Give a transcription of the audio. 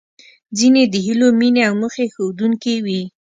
ځينې د هیلو، مينې او موخې ښودونکې وې.